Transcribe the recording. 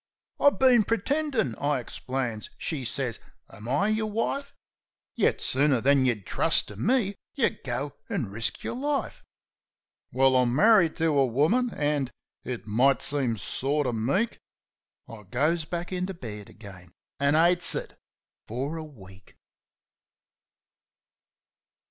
"I been pretendin'," I ixplains. She sez, u Am I yer wife? Yet sooner than yeh'd trust to me yeh go an' risk yer life," Well, I'm marri'd to a woman, an' it might seem sort uv meek I goes back into bed again ... an' 'cites it ... fer a week!